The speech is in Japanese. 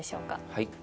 はい。